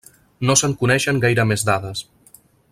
No se'n coneixen gaire més dades.